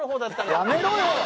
やめろよ！